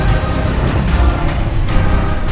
aku sudah menemukan siliwangi